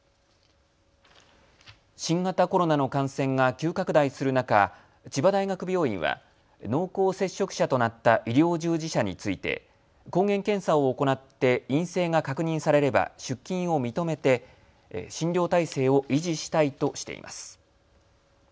新型コロナの感染が急拡大する中、千葉大学病院は濃厚接触者となった医療従事者について抗原検査を行って陰性が確認されれば出勤を認めて診療態勢を維持したいとしています。